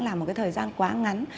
là một cái thời gian quá ngắn